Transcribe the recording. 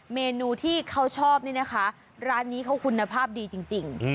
เมนูที่เขาชอบนี่นะคะร้านนี้เขาคุณภาพดีจริง